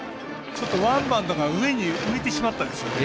ワンバウンドが上に浮いてしまったんですよね。